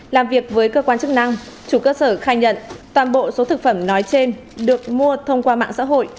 làm việc với cơ quan chức năng chủ cơ sở khai nhận toàn bộ số thực phẩm nói trên được mua thông qua mạng xã hội